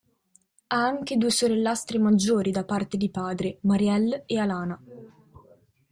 Ha anche due sorellastre maggiori da parte di padre, Marielle e Alana.